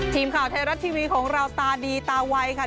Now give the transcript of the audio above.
ทีมข่าวไทยรัฐทีวีของเราตาดีตาไวค่ะ